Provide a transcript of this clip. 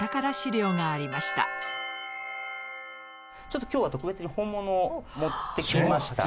ちょっと今日は特別に本物を持ってきました。